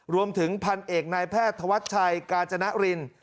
รวมถึงพันเอกนายแพทย์ธวัชชัยกาญจนริน